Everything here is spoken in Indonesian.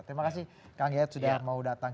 terima kasih kang yayat sudah mau datang